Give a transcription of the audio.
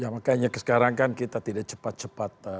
nah makanya sekarang kan kita tidak cepat cepat